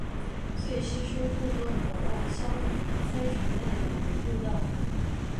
遂吸收众多渴望消灾除难的人入道。